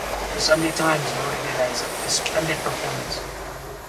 "The Sunday Times" noted it as "a splendid performance".